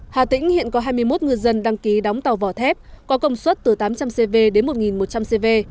hà tĩnh hiện có hai mươi một ngư dân đăng ký đóng tàu vỏ thép có công suất từ tám trăm linh cv đến một một trăm linh cv